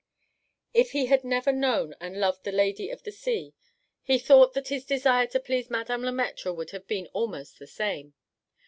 If he had never known and loved the lady of the sea, he thought that his desire to please Madame Le Maître would have been almost the same.